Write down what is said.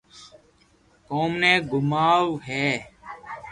ڪوم ني گوماوو ھي